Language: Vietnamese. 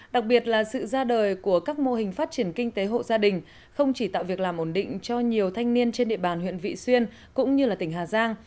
đặc biệt là sự ra đời của các mô hình phát triển kinh tế hộ gia đình không chỉ tạo việc làm ổn định cho nhiều thanh niên trên địa bàn huyện vị xuyên cũng như tỉnh hà giang